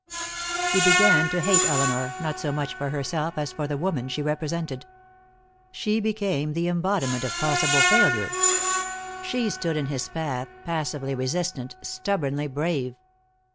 He began to hate Elinor, not so much for herself, as for the women she represented. She became the embodiment of possible failure. She stood in his path, passively resistant, stubbornly brave.